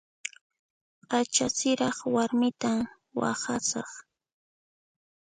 P'acha siraq warmitan waqhasaq.